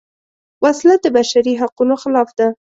وسله د بشري حقونو خلاف ده